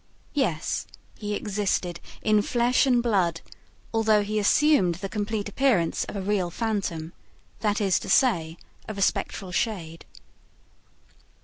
Yes, he existed in flesh and blood, although he assumed the complete appearance of a real phantom; that is to say, of a spectral shade.